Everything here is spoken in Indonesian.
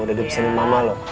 udah di pesenin mama lo